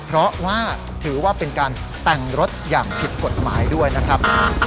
เพราะว่าถือว่าเป็นการแต่งรถอย่างผิดกฎหมายด้วยนะครับ